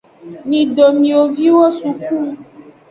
Mido mioviwo suku.